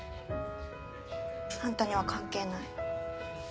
あんたには関係ない。